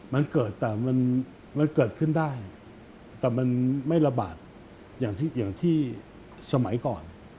มันเกิดแต่มันเกิดขึ้นได้แต่มันไม่ระบาดอย่างที่สมัยก่อน